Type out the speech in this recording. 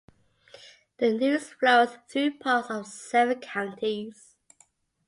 The Neuse flows through parts of seven counties.